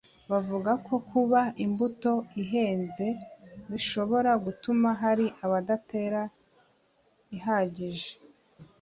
Bavuga ko kuba imbuto ihenze bishobora gutuma hari abadatera ihagije